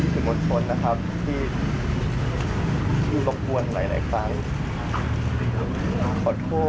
ผมรักมาก